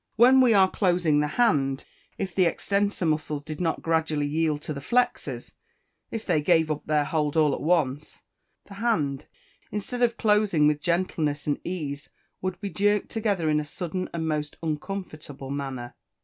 When we are closing the hand, if the extensor muscles did not gradually yield to the flexors if they gave up their hold all at once, the hand, instead of closing with gentleness and ease, would be jerked together in a sudden and most uncomfortable manner.